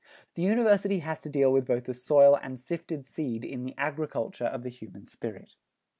The University has to deal with both the soil and sifted seed in the agriculture of the human spirit.